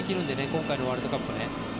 今回のワールドカップね。